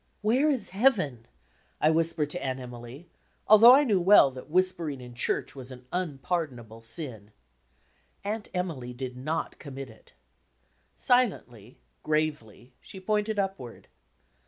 "Where is Heaven?" I whispered to Aunt Emily, al though I knew well that whispering in church was an unpar donable sin. Aunt Emily did not commit it. Silendy, gravely, she pointed upward.